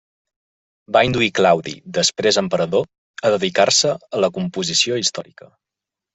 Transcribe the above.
Va induir Claudi, després emperador, a dedicar-se a la composició històrica.